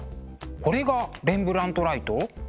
これがレンブラントライト？